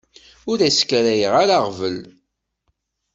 Ur as-skaray ara aɣbel.